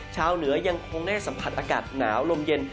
เหนือยังคงได้สัมผัสอากาศหนาวลมเย็น